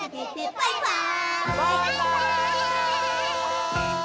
「バイバーイ！」